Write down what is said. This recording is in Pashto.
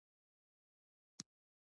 په اوړي کې يخې وې.